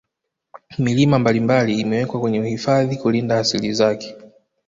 Milima mbalimbali imewekwa kwenye uhifadhi kulinda asili zake